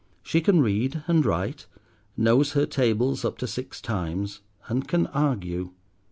She can read and write, knows her tables up to six times, and can argue.